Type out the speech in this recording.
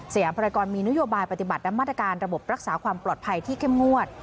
ยามภารกรมีนโยบายปฏิบัติและมาตรการระบบรักษาความปลอดภัยที่เข้มงวด